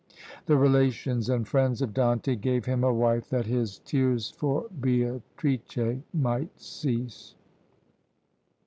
The relations and friends of Dante gave him a wife that his tears for Beatrice might cease.